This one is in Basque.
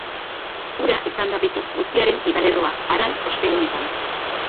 Ura izan da beti guztiaren gidalerroa haran ospel honetan.